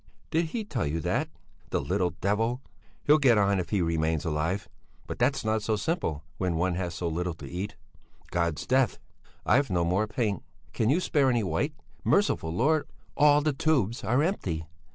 "Did he tell you that? The little devil! He'll get on if he remains alive; but that's not so simple when one has so little to eat! God's death! I've no more paint! Can you spare any white? Merciful Lord! All the tubes are empty!